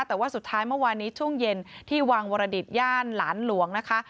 แต่ว่าสุดท้ายเมื่อวานนี้ช่วงเย็นที่วังวรดิตย่านหลานหลวงนะคะ